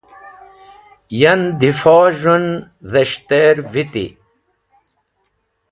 Yan difo z̃hũn dhes̃hter viti.